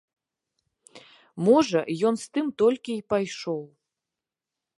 Можа, ён з тым толькі й пайшоў.